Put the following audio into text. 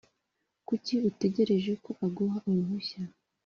kuki utegereje ko aguha uruhushya